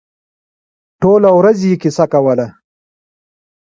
ټوله ورځ یې کیسه کوله.